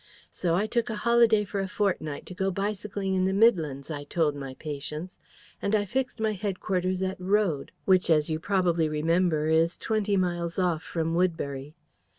So I took a holiday for a fortnight, to go bicycling in the Midlands I told my patients; and I fixed my head quarters at Wrode, which, as you probably remember, is twenty miles off from Woodbury.